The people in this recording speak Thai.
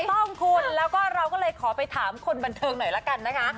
ถูกต้องคุณแล้วก็เราก็เลยขอไปถามคนบันเทิงหน่อยละกันนะคะ